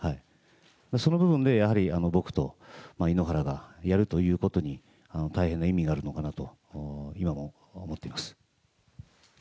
その部分でやはり僕と井ノ原がやるということに大変な意味があるのかなと、今も思っています。